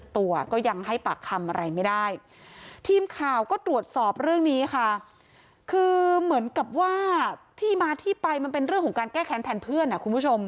ที่มาที่ไปมันเป็นเรื่องของการแก้แขนแทนเพื่อนอ่ะคุณผู้ชม